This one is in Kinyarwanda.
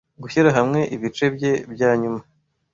gushyira hamwe ibice bye bya nyuma